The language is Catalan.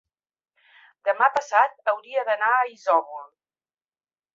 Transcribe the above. demà passat hauria d'anar a Isòvol.